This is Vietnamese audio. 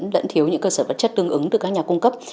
lẫn thiếu những cơ sở vật chất tương ứng từ các nhà cung cấp